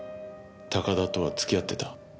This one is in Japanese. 高田とは付き合ってた？